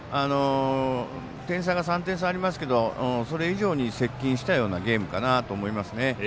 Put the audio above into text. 点差が３点差ありますけどそれ以上に接近したようなゲームかなと思いますね。